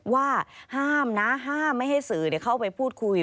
ว่าห้ามนะห้ามไม่ให้สื่อเข้าไปพูดคุย